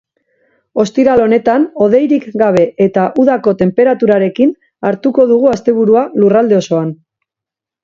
Ostiral honetan hodeirik gabe eta udako tenperaturarekin hartuko dugu asteburua lurralde osoan.